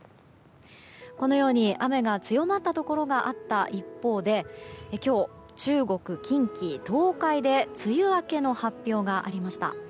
このように雨が強まったところがあった一方で今日、中国、近畿・東海で梅雨明けの発表がありました。